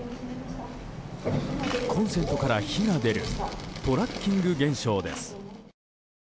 コンセントから火が出るトラッキング現象です。